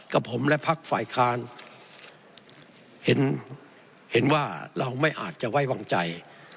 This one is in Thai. กับผมและพักฝ่ายค้านเห็นเห็นว่าเราไม่อาจจะไว้วางใจ